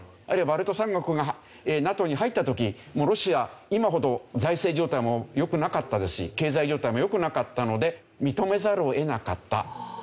あるいはバルト三国がＮＡＴＯに入った時ロシア今ほど財政状態も良くなかったですし経済状態も良くなかったので認めざるを得なかった。